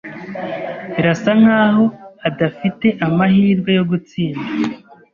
Birasa nkaho adafite amahirwe yo gutsinda.